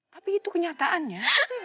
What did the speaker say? tapi itu kenyataannya